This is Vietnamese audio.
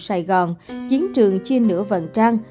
sài gòn chiến trường chia nửa vận trang